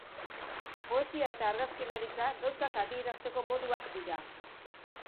Poesia eta argazkilaritza gauzak adierazteko moduak dira.